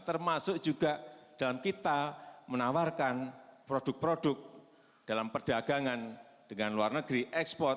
termasuk juga dalam kita menawarkan produk produk dalam perdagangan dengan luar negeri ekspor